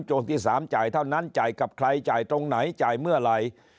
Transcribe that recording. ที่๓จ่ายเท่านั้นจ่ายกับใครจ่ายตรงไหนจ่ายเมื่อไหร่